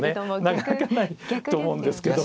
なかなかないと思うんですけど。